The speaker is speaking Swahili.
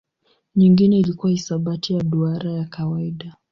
Nyingine ilikuwa hisabati ya duara ya kawaida.